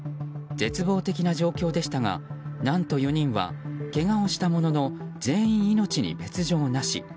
絶望的な状況でしたが何と４人はけがをしたものの全員、命に別条なし。